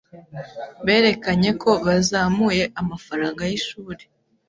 Berekanye ko bazamuye amafaranga y'ishuri.